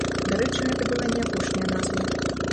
Дарэчы, гэта была не апошняя назва.